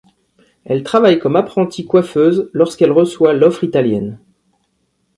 Elle travaille comme apprentie coiffeuse lorsqu'elle reçoit l'offre italienne.